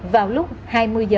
vào lúc hai mươi h